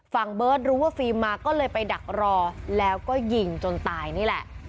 เบิร์ตรู้ว่าฟิล์มมาก็เลยไปดักรอแล้วก็ยิงจนตายนี่แหละ